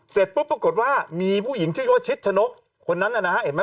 เสร็จปุ๊บปรากฏว่ามีผู้หญิงชื่อว่าชิดชะนกคนนั้นนะฮะเห็นไหม